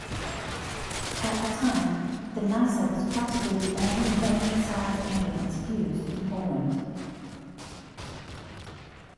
At the time, the Nysa was practically the only van-size ambulance used in Poland.